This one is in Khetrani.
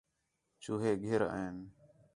چوہے گِھر آئِن